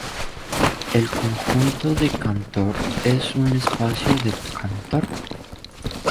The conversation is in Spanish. El conjunto de Cantor es un espacio de Cantor.